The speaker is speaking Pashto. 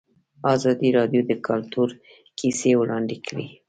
ازادي راډیو د کلتور کیسې وړاندې کړي.